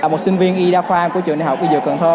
một sinh viên y đa khoa của trường đại học y dược cần thơ